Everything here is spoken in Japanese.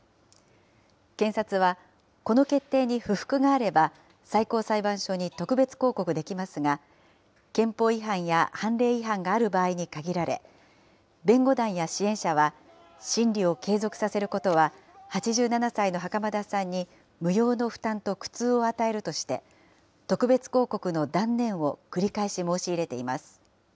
検察は、この決定に不服があれば、最高裁判所に特別抗告できますが、憲法違反や判例違反がある場合に限られ、弁護団や支援者は、審理を継続させることは８７歳の袴田さんに無用の負担と苦痛を与えるとして、特別抗告の断念を繰り返し申し入れています。